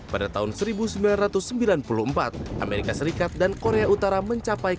pada tahun seribu sembilan ratus sembilan puluh empat amerika serikat dan korea utara mencapai